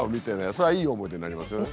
それはいい思い出になりますよね。